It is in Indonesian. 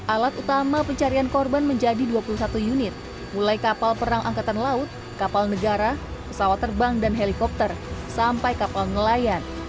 alat utama pencarian korban menjadi dua puluh satu unit mulai kapal perang angkatan laut kapal negara pesawat terbang dan helikopter sampai kapal nelayan